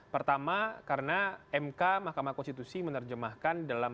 pertama karena mk mahkamah konstitusi menerjemahkan dalam